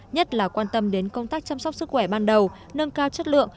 nhất là quan tâm đến công tác chăm sóc sức khỏe ban đầu nâng cao chất lượng